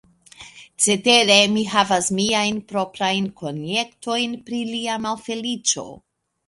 Cetere, mi havas miajn proprajn konjektojn pri lia malfeliĉo.